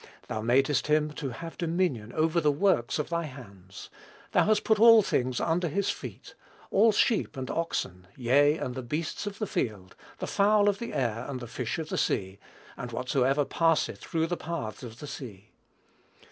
Thou madest him to have dominion over the works of thy hands; thou hast put all things under his feet: all sheep and oxen, yea, and the beasts of the field; the fowl of the air, and the fish of the sea, and whatsoever passeth through the paths of the sea."